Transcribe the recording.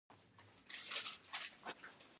عطرونه د مختلفو فصلونو سره تناسب لري.